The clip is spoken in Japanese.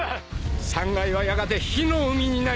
３階はやがて火の海になりますよ。